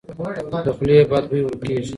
د خولې بد بوی ورک کیږي.